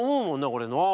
これな。